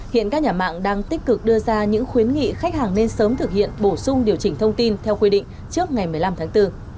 hiện các nhà mạng đang tích cực đưa ra những khuyến nghị khách hàng nên sớm thực hiện bổ sung điều chỉnh thông tin theo quy định trước ngày một mươi năm tháng bốn